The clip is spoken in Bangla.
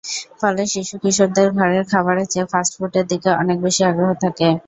ফলে শিশু-কিশোরদের ঘরের খাবারের চেয়ে ফাস্টফুডের দিকে অনেক বেশি আগ্রহ থাকে।